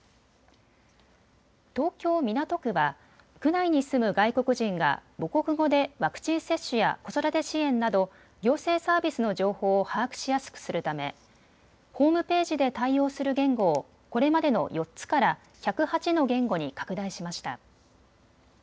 東京港区は区内に住む外国人が母国語でワクチン接種や子育て支援など行政サービスの情報を把握しやすくするためホームページで対応する言語をこれまでの４つから１０８の言語に拡大しました。